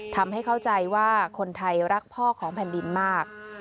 ทำให้เข้าใจว่าคนไทยรักพ่อของแผ่นดินมาก